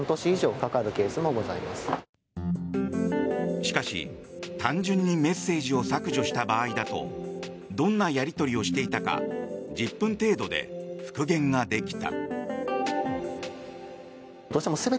しかし、単純にメッセージを削除した場合だとどんなやり取りをしていたか１０分程度で復元ができた。